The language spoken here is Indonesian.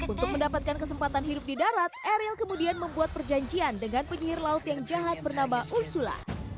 untuk mendapatkan kesempatan hidup di darat eril kemudian membuat perjanjian dengan penyihir laut yang jahat bernama usula